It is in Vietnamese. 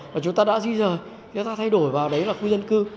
và chúng ta đã di rời chúng ta thay đổi vào đấy là khu dân cư